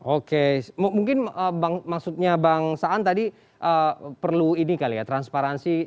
oke mungkin maksudnya bang saan tadi perlu ini kali ya transparansi